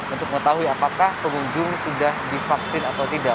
untuk mengetahui apakah pengunjung sudah divaksin atau tidak